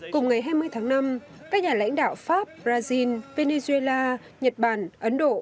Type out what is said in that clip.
cùng ngày hai mươi tháng năm các nhà lãnh đạo pháp brazil venezuela nhật bản ấn độ